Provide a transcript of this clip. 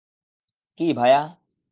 কী, ভায়া?